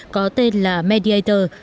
có tên là mediator